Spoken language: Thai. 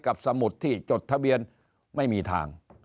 สมุดที่จดทะเบียนไม่มีทาง